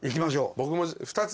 僕も２つ。